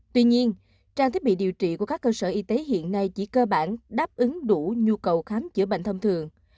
tuy nhiên trang thiết bị điều trị của các cơ sở y tế hiện nay chỉ cơ bản đáp ứng đủ nhu cầu khám chữa bệnh thông thường